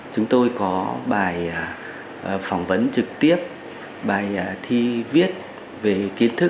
chúng tôi có bài phỏng vấn trực tiếp bài thi viết về kiến thức